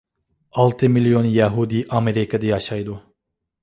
ئالتە مىليون يەھۇدىي ئامېرىكىدا ياشايدۇ.